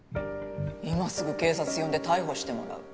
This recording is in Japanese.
今すぐ警察呼んで逮捕してもらう。